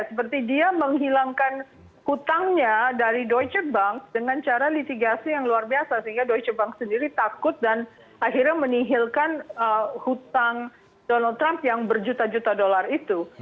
seperti dia menghilangkan hutangnya dari doctor bank dengan cara litigasi yang luar biasa sehingga doiche bank sendiri takut dan akhirnya menihilkan hutang donald trump yang berjuta juta dolar itu